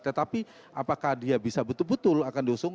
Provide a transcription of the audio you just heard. tetapi apakah dia bisa betul betul akan diusung